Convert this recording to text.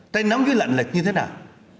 đây nắm dưới lãnh lịch như thế nào